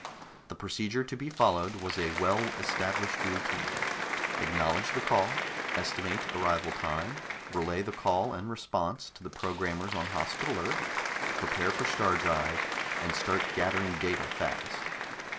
The procedure to be followed was a well established routine: acknowledge the call, estimate arrival time, relay the call and response to the programmers on Hospital Earth, prepare for star drive, and start gathering data fast.